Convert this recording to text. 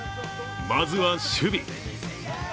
まずは、守備。